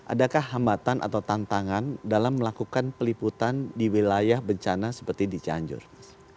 adakah hambatan atau tantangan dalam melakukan peliputan di wilayah bencana seperti di cianjur